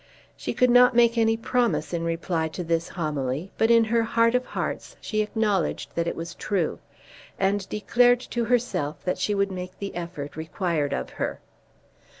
She could not make any promise in reply to this homily, but in her heart of hearts she acknowledged that it was true, and declared to herself that she would make the effort required of her.